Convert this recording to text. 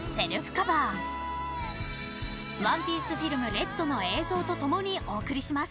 「ＯＮＥＰＩＥＣＥＦＩＬＭＲＥＤ」の映像とともにお送りします。